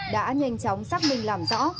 đã nhanh chóng xác minh làm rõ